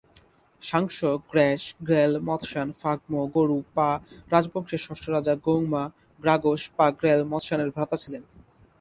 সাংস-র্গ্যাস-র্গ্যাল-ম্ত্শান ফাগ-মো-গ্রু-পা রাজবংশের ষষ্ঠ রাজা গোং-মা-গ্রাগ্স-পা-র্গ্যাল-ম্ত্শানের ভ্রাতা ছিলেন।